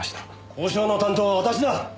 交渉の担当は私だ！